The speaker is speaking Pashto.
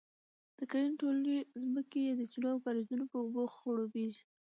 د کرنې ټولې ځمکې یې د چینو او کاریزونو په اوبو خړوبیږي،